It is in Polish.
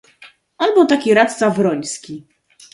"Albo taki radca Wroński."